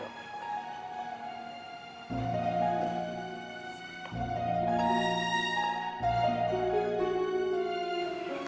kancing sunan purnam